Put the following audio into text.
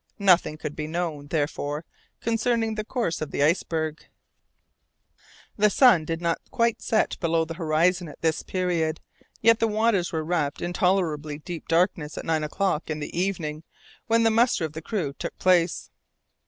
Nothing could be known, therefore, concerning the course of the iceberg. The sun did not set quite below the horizon at this period, yet the waters were wrapped in tolerably deep darkness at nine o'clock in the evening, when the muster of the crew took place.